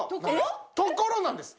「ところ」なんです。